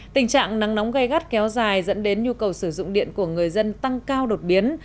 tình trạng nắng nóng gây gắt kéo dài dẫn đến nhu cầu sử dụng điện của người dân tăng cao đột biến